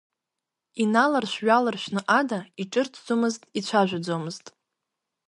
Иналаршә-ҩаларшәны ада иҿырҭӡомызт, ицәажәаӡомызт.